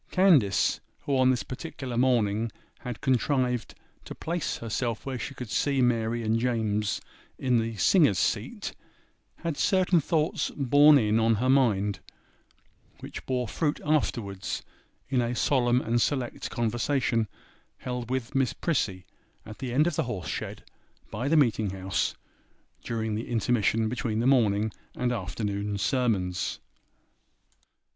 Candace, who on this particular morning had contrived to place herself where she could see Mary and James in the singers' seat, had certain thoughts 'borne in' on her mind, which bore fruit afterwards in a solemn and select conversation held with Miss Prissy at the end of the horse shed by the meeting house, during the intermission between the morning and afternoon sermons.